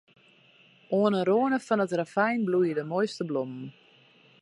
Oan 'e râne fan it ravyn bloeie de moaiste blommen.